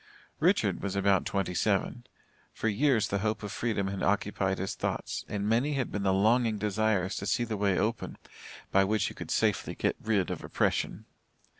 Richard was about twenty seven. For years the hope of freedom had occupied his thoughts, and many had been the longing desires to see the way open by which he could safely get rid of oppression.